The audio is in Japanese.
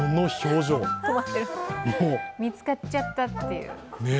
見つかっちゃったっていう。